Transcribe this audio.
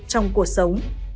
trong cuộc sống